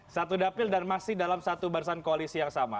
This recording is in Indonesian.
satu dapil dan masih dalam satu barisan koalisi yang sama